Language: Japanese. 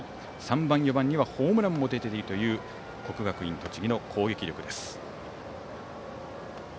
３番、４番にはホームランも出ているという国学院栃木の攻撃力です。